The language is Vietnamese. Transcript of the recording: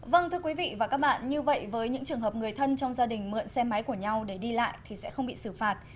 vâng thưa quý vị và các bạn như vậy với những trường hợp người thân trong gia đình mượn xe máy của nhau để đi lại thì sẽ không bị xử phạt